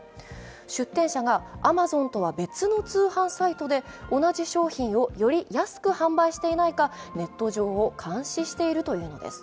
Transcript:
出店者がアマゾンとは別の通販サイトで同じ商品をより安く販売していないか、ネット上を監視しているというのです。